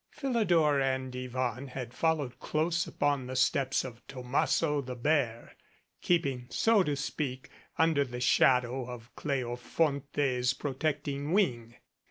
Philidor and Yvonne had followed close upon the steps of Tomasso the bear, keeping, so to speak, under the shadow of Cleofonte's protecting wing.